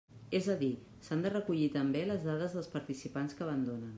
És a dir, s'han de recollir també les dades dels participants que abandonen.